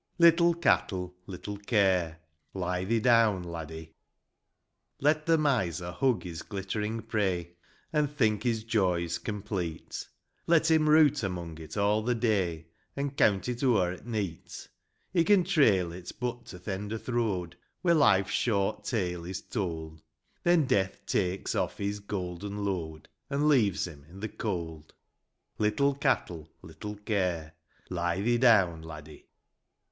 Little cattle, little care ; Lie thee down, Laddie ! III. Let the miser hug his glittering prey, An' think his joys complete ; Let him root among it all the day. An' count it o'er at neet ; He can trail it but to th' end o'th road. Where life's short tale is told ; Then death takes off his golden load. And leaves him in the cold. Little cattle, little care ; Lie thee down, Laddie